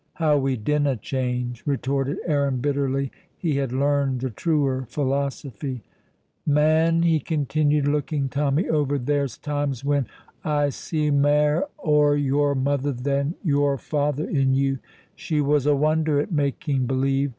"How we dinna change!" retorted Aaron, bitterly. He had learned the truer philosophy. "Man," he continued, looking Tommy over, "there's times when I see mair o' your mother than your father in you. She was a wonder at making believe.